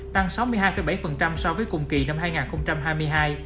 tăng sáu mươi hai bảy so với cùng kỳ năm hai nghìn hai mươi hai